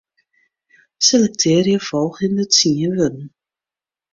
Selektearje folgjende tsien wurden.